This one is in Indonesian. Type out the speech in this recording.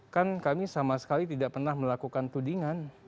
kan kami sama sekali tidak pernah melakukan tudingan